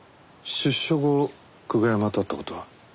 出所後久我山と会った事は？